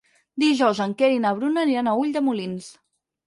Dijous en Quer i na Bruna aniran a Ulldemolins.